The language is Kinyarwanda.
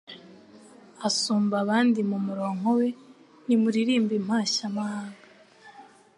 Asumba abandi mu muronko we Nimuririmbe Impashyamahanga